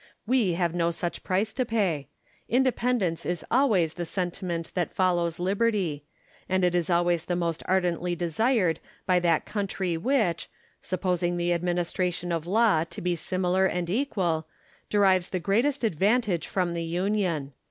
We have no such price to pay. Independence is always the sentiment that follows liberty ; and it is always the most ardently desired by that country which, supposing the administration of law to be similar and equal, derives the greatest advantage from the union.